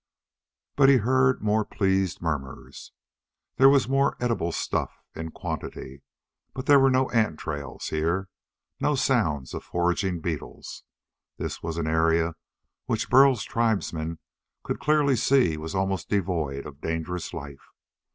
But he heard more pleased murmurs. There was more edible stuff, in quantity. But there were no ant trails here, no sounds of foraging beetles. This was an area which Burl's tribesmen could clearly see was almost devoid of dangerous life.